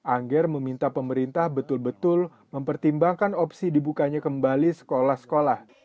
angger meminta pemerintah betul betul mempertimbangkan opsi dibukanya kembali sekolah sekolah